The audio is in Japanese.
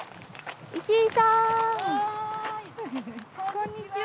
こんにちは。